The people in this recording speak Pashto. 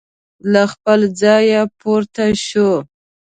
له خپل ځایه پورته شو.